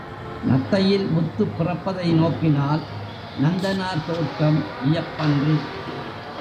நத்தையில் முத்து பிறப்பதை நோக்கினால் நந்தனார் தோற்றம் வியப்பன்று.